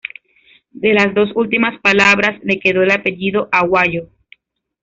De las dos últimas palabras le quedó el apellido Aguayo.